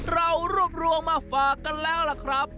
เรารวบรวมมาฝากกันแล้วล่ะครับ